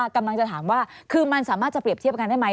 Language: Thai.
กำลังจะถามว่าคือมันสามารถจะเปรียบเทียบกันได้ไหม